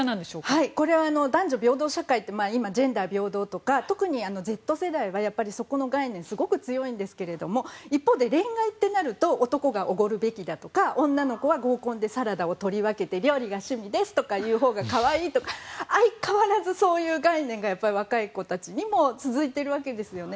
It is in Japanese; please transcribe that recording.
これは男女平等社会って今、ジェンダー平等とか特にＺ世代はそこの概念がすごく強いんですけど一方で恋愛ってなると男がおごるべきだとか女の子は合コンでサラダを取り分けて料理が趣味ですとか言うほうが可愛いとか相変わらずそういう概念が若い子たちにも続いているわけですよね。